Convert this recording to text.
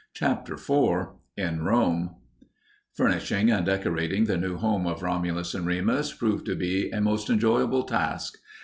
CHAPTER IV IN ROME Furnishing and decorating the new home of Romulus and Remus proved to be a most enjoyable task.